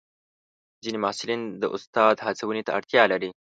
ځینې محصلین د استاد هڅونې ته اړتیا لري.